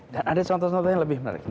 dan ada contoh contoh yang lebih menarik